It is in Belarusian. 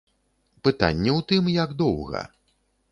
Пытанне ў тым, як доўга.